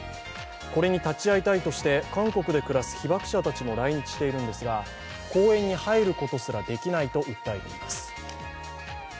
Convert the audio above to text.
これに立ち会いたいとして韓国に暮らす被爆者たちも入りたいと言っていますが公園に入ることすらできないと訴えています。